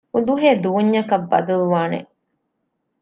އުދުހޭ ދޫންޏަކަށް ބަދަލުވާނެ